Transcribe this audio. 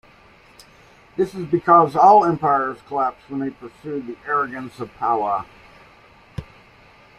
This is because all empires collapse when they pursue the arrogance of power.